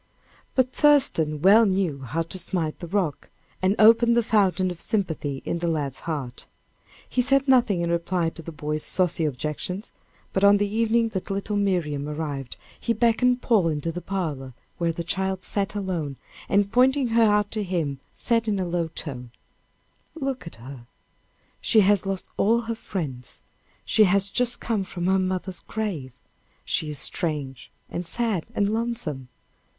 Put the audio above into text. But Thurston well knew how to smite the rock, and open the fountain of sympathy in the lad's heart. He said nothing in reply to the boy's saucy objections, but on the evening that little Miriam arrived, he beckoned Paul into the parlor, where the child sat, alone, and pointing her out to him, said in a low tone: "Look at her; she has lost all her friends she has just come from her mother's grave she is strange, and sad, and lonesome.